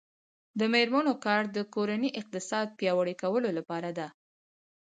د میرمنو کار د کورنۍ اقتصاد پیاوړی کولو لاره ده.